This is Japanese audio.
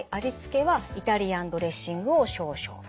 味付けはイタリアンドレッシングを少々。